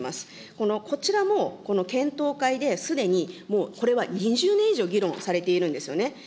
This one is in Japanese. このこちらもこの検討会ですでにもうこれは２０年以上されているんですよね。